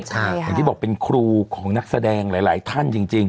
อย่างที่บอกเป็นครูของนักแสดงหลายท่านจริง